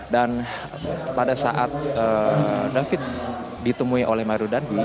dan pada saat david ditemui oleh mario dandwi